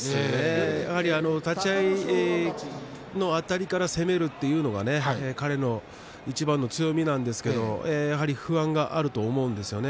やはり立ち合いのあたりから攻めるというのがね隆の勝の、いちばんの強みなんですが不安があると思うんですね